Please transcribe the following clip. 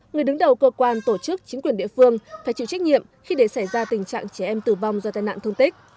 người đứng đầu cơ quan tổ chức chính quyền địa phương phải chịu trách nhiệm khi để xảy ra tình trạng trẻ em tử vong do tai nạn thương tích